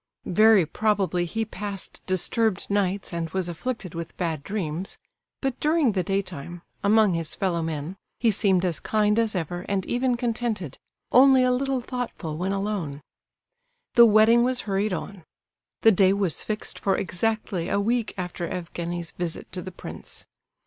Very probably he passed disturbed nights, and was afflicted with bad dreams; but, during the daytime, among his fellow men, he seemed as kind as ever, and even contented; only a little thoughtful when alone. The wedding was hurried on. The day was fixed for exactly a week after Evgenie's visit to the prince.